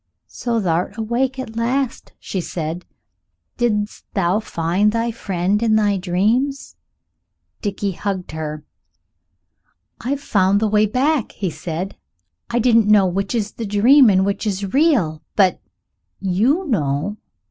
"So thou'rt awake at last," she said. "Did'st thou find thy friend in thy dreams?" Dickie hugged her. "I've found the way back," he said; "I don't know which is the dream and which is real but you know."